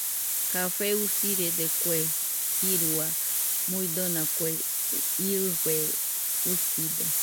Café usirede kue jirua muidona kue iɨfe uside.